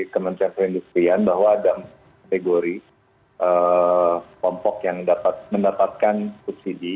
kategori industri bahwa ada kategori kompok yang mendapatkan subsidi